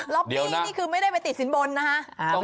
ปี้นี่คือไม่ได้ไปติดสินบนนะคะ